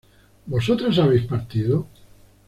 ¿Vosotras habéis partido?